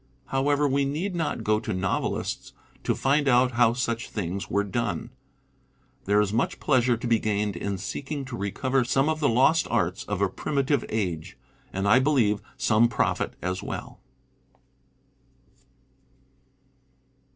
However, we need not go to novelists to find out how such things were done. There is much pleasure to be gained in seek ing to recover some of the lost arts of a primitive age; and, I believe, some profit as well.